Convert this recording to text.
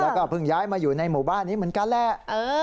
แล้วก็เพิ่งย้ายมาอยู่ในหมู่บ้านนี้เหมือนกันแหละ